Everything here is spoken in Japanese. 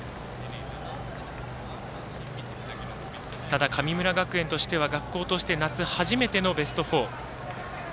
ただ、神村学園としては学校として夏初めてのベスト４。